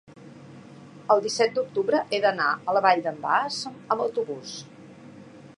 el disset d'octubre he d'anar a la Vall d'en Bas amb autobús.